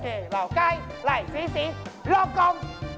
โอเคเราใกล้ไหลสีรอบกล่อง